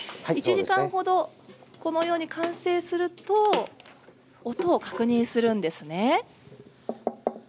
１時間ほどこのように完成すると音を確認するんですね。